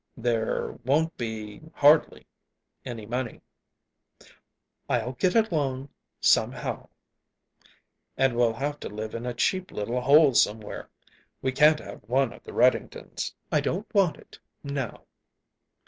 "There won't be hardly any money." "I'll get along somehow." "And we'll have to live in a cheap little hole somewhere we can't have one of the Reddingtons." "I don't want it now."